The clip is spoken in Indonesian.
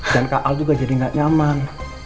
dan kak al juga jadi gak nyaman